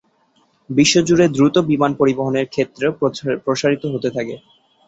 বিশ্বজুড়ে দ্রুত বিমান পরিবহনের ক্ষেত্র প্রসারিত হতে থাকে।